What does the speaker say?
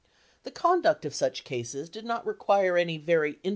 The conduct of such cases did not require any very intimate * (J?